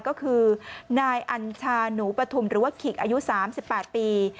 ก็คือนายอัญชาหนูปฐุมหรือว่าขิกอายุ๓๘ปี